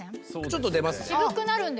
ちょっと出ますね。